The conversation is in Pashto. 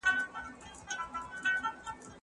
لقمان رنځور سو